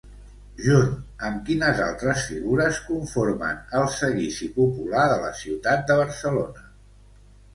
Junt amb quines altres figures conformen el Seguici Popular de la ciutat de Barcelona?